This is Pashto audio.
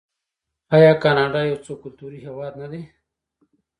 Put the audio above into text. آیا کاناډا یو څو کلتوری هیواد نه دی؟